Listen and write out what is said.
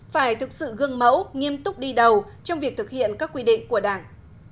phải thực sự gương mẫu nghiêm túc đi đầu trong việc thực hiện các quy định của đảng